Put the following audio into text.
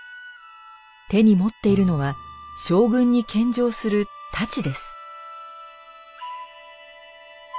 手に持っているのは将軍に献上する太刀です。